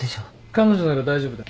彼女なら大丈夫だ。